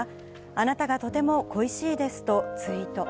あなたがとても恋しいですとツイート。